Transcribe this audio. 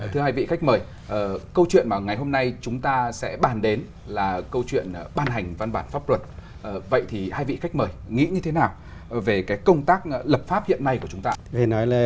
thưa hai vị khách mời câu chuyện mà ngày hôm nay chúng ta sẽ bàn đến là câu chuyện ban hành văn bản pháp luật vậy thì hai vị khách mời nghĩ như thế nào về công tác lập pháp hiện nay của chúng ta